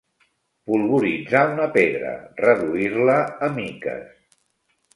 Polvoritzar una pedra, reduir-la a miques.